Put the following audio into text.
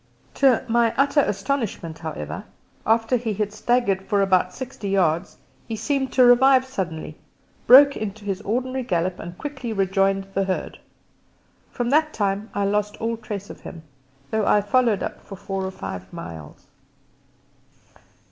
To my utter astonishment, however, after he had staggered for about sixty yards he seemed to revive suddenly, broke into his ordinary gallop and quickly rejoined the herd. From that time I lost all trace of him, though I followed up for four or five miles.